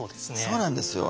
そうなんですよ。